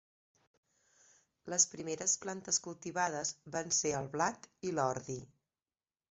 Les primeres plantes cultivades van ser el blat i l'ordi.